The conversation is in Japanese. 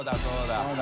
そうだ。